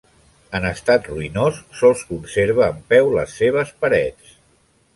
En estat ruïnós, sols conserva en peu les seves parets.